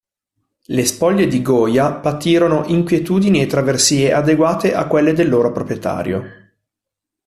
Le spoglie di Goya patirono inquietudini e traversie adeguate a quelle del loro proprietario.